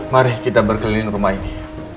mari kita berkeliling rumah ini